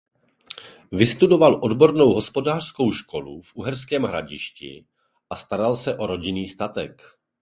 Vystudoval odbornou hospodářskou školu v Uherském Hradišti a staral se o rodinný statek.